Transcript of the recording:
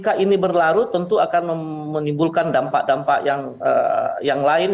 jadi berlarut tentu akan menimbulkan dampak dampak yang lain